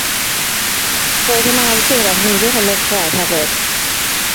Roedd yn awdur ar nifer o lyfrau hefyd.